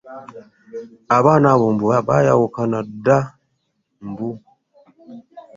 Abaana abo baayawukana dda mbu?